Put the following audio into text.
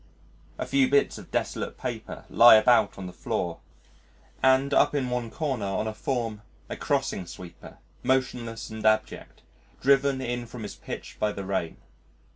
A few bits of desolate paper lie about on the floor, and up in one corner on a form a crossing sweeper, motionless and abject, driven in from his pitch by the rain.